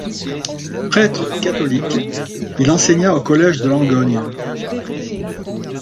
Prêtre catholique, il enseigna au collège de Langogne.